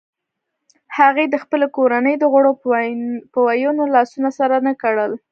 هغه د خپلې کورنۍ د غړو په وینو لاسونه سره نه کړل.